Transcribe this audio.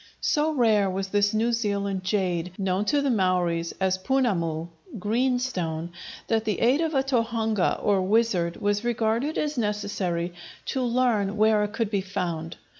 So rare was this New Zealand jade, known to the Maoris as punamu (green stone), that the aid of a tohunga, or wizard, was regarded as necessary to learn where it could be found.